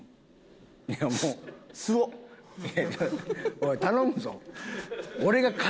おい頼むぞ！